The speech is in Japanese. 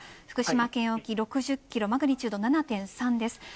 福島県沖６０キロのマグニチュード７．３です。